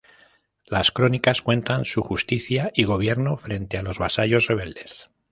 Las crónicas cuentan su justicia y gobierno frente a los vasallos rebeldes.